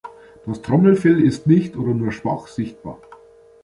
Das Trommelfell ist nicht oder nur schwach sichtbar.